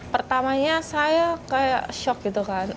pertamanya saya kayak shock gitu kan